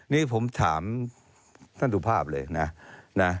นี่ผมถามท่านสุภาพเลยนะ